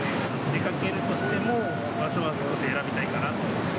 出かけるとしても、場所は選びたいかな。